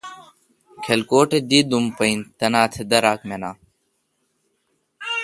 کلکوٹ اے دی دوم پا این۔ تنا تہ داراک مناں۔